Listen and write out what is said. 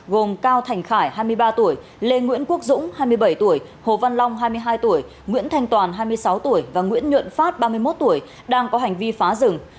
gồm cao thành khải hai mươi ba tuổi lê nguyễn quốc dũng hai mươi bảy tuổi hồ văn long hai mươi hai tuổi nguyễn thanh toàn hai mươi sáu tuổi và nguyễn nhuận phát ba mươi một tuổi đang có hành vi phá rừng